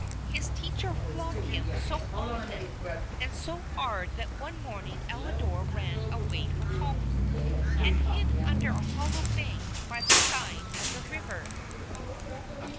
His teacher flogged him so often and so hard that one morning Elidore ran away from home, and hid under a hollow bank by the side of the river.